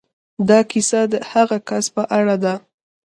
دا کيسه د هغه کس په اړه ده.